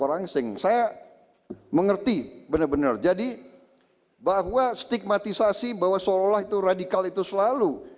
orangsing saya mengerti benar benar jadi bahwa stigmatisasi bahwa seolah olah itu radikal itu selalu